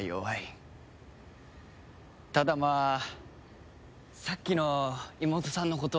ただまあさっきの妹さんのことは。